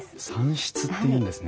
蚕室っていうんですね。